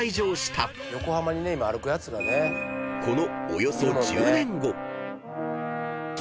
［この］